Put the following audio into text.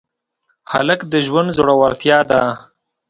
هلک د ژوند زړورتیا ده.